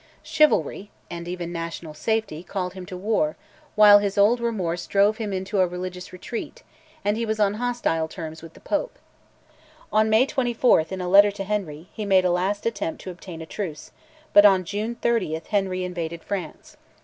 Chivalry, and even national safety, called him to war; while his old remorse drove him into a religious retreat, and he was on hostile terms with the Pope. On May 24th, in a letter to Henry, he made a last attempt to obtain a truce, but on June 30th Henry invaded France.